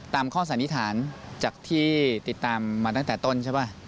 ข้อสันนิษฐานจากที่ติดตามมาตั้งแต่ต้นใช่ป่ะ